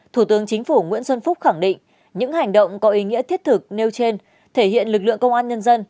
thủ tướng chính phủ nguyễn xuân phúc khẳng định những hành động có ý nghĩa thiết thực nêu trên thể hiện lực lượng công an nhân dân